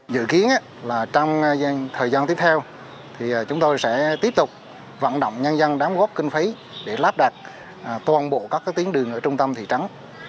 dự kiến trong thời gian tiếp theo chúng tôi sẽ tiếp tục vận động nhân dân đám góp kinh phí để lắp đặt toàn bộ các tiến đường ở trung tâm thị trấn